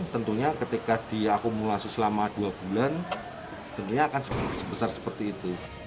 tentunya ketika diakumulasi selama dua bulan tentunya akan sebesar seperti itu